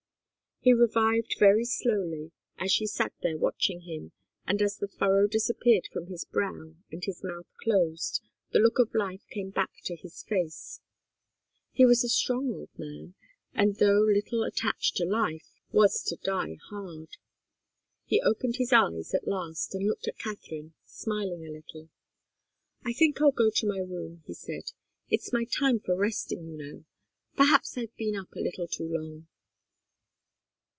He revived very slowly, as she sat there watching him, and as the furrow disappeared from his brow and his mouth closed, the look of life came back to his face. He was a strong old man, and, though little attached to life, was to die hard. He opened his eyes at last and looked at Katharine, smiling a little. "I think I'll go to my room," he said. "It's my time for resting, you know. Perhaps I've been up a little too long."